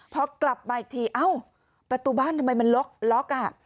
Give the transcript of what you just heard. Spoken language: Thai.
พอกลับมาอีกทีเอ้าประตูบ้านทำไมมันล็อกล็อกอ่ะ